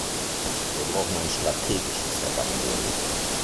Wir brauchen ein strategisches Herangehen.